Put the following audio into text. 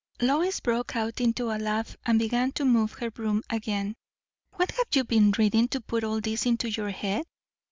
Lois broke out into a laugh, and began to move her broom again. "What have you been reading, to put all this into your head?"